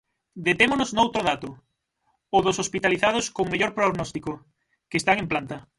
Detémonos noutro dato: o dos hospitalizados con mellor prognóstico, que están en planta.